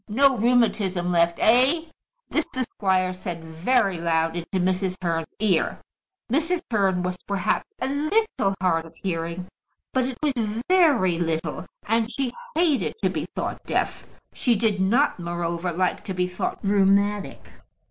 No rheumatism left, eh?" This the squire said very loud into Mrs. Hearn's ear. Mrs. Hearn was perhaps a little hard of hearing; but it was very little, and she hated to be thought deaf. She did not, moreover, like to be thought rheumatic.